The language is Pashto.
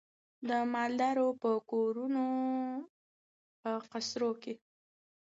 د مالدارو په کورونو په قصرو کي